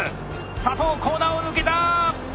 佐藤コーナーを抜けた！